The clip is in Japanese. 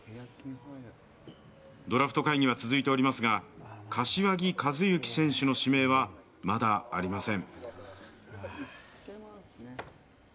ドラフト会議は続いておりますが、柏木寿志選手の指名はまだありません。